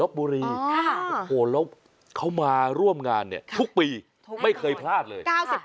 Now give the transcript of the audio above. ลบบุรีโอ้โหแล้วเขามาร่วมงานทุกปีไม่เคยพลาดเลย